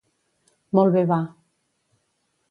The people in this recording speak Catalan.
Molt bé va.